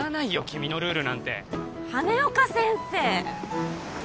君のルールなんて羽根岡先生！